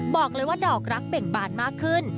บอกเลยว่าดอกรักเบ่งบานมากขึ้น